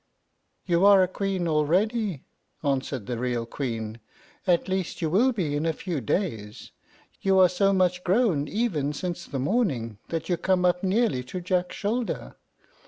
"You are a queen already," answered the real Queen; "at least, you will be in a few days. You are so much grown, even since the morning, that you come up nearly to Jack's shoulder.